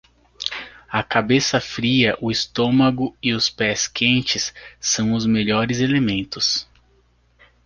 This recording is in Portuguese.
A cabeça fria, o estômago e os pés quentes são os melhores elementos.